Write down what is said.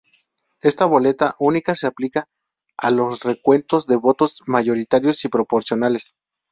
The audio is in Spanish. Esta boleta única se aplica a los recuentos de votos mayoritarios y proporcionales.